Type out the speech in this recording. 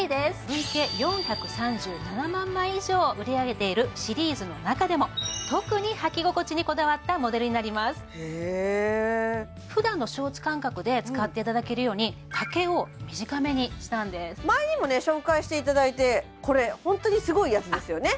累計４３７万枚以上を売り上げているシリーズの中でも特にへえふだんのショーツ感覚で使っていただけるように丈を短めにしたんです前にもね紹介していただいてこれ本当にすごいやつですよね